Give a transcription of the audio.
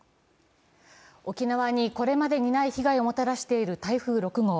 沖縄にこれまでにない被害をもたらしている台風６号。